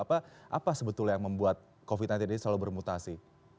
apa sebetulnya yang membuat covid sembilan belas ini selalu bermutasi